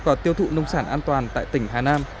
và tiêu thụ nông sản an toàn tại tỉnh hà nam